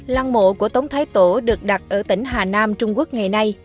lăng mộ của tống thái tổ được đặt ở tỉnh hà nam trung quốc ngày nay